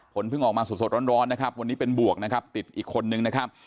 เพิ่งออกมาสดร้อนนะครับวันนี้เป็นบวกนะครับติดอีกคนนึงนะครับ